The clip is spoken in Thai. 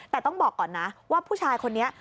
แต่ต้องบอกก่อนนะว่าผู้ชายคนนี้